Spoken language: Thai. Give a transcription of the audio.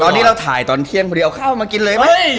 ตอนนี้เราถ่ายตอนเที่ยงพอดีเอาข้าวมากินเลยไหม